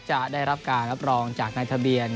จะได้รับการรับรองจากในทะเบียน